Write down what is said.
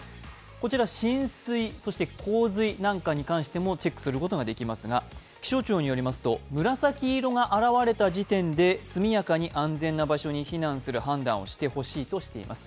こちら浸水、洪水に関してもチェックすることができますが、気象庁によりますと紫色が現れた時点で速やかに安全な場所に避難する判断をしてほしいとしています。